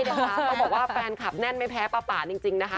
ต้องบอกว่าแฟนคลับแน่นไม่แพ้ป้าป่าจริงนะคะ